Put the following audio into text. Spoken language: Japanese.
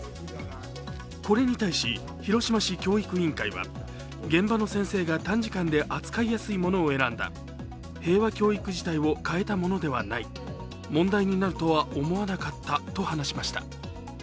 これに対し、広島市教育委員会は、現場の先生が短時間で扱いやすいものを選んだ、平和教育自体を変えたものではない、問題になるとは思わなかったと話しました。